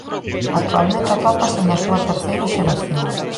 Actualmente atópase na súa terceira xeración.